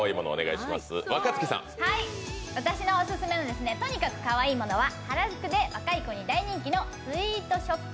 私のオススメのとにかくかわいいものは原宿で若い子に大人気のスウィートショップ